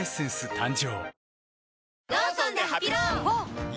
誕生